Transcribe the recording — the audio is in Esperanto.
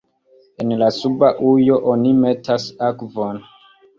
En la suba ujo oni metas akvon.